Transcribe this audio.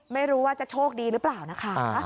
ไม่รู้ว่าจะโชคดีหรือเปล่านะคะ